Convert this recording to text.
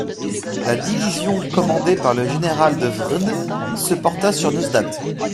La division commandée par le général de Wrede se porta sur Neustadt.